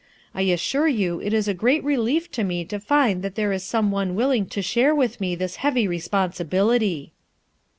I assure you it is a great relief to me to find that there is some one willing to share with me this heavy responsibility."